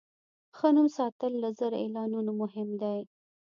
ښه نوم ساتل له زر اعلانونو مهم دی.